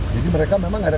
jadi mereka memang ada